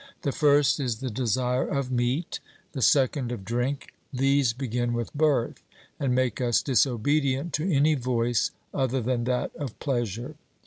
The first is the desire of meat, the second of drink; these begin with birth, and make us disobedient to any voice other than that of pleasure.